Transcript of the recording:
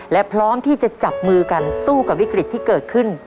และพร้อมที่จะจับมือกันสู้กับวิกฤตที่เกิดขึ้น